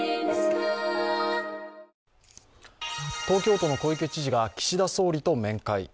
東京都の小池知事が岸田総理と面会。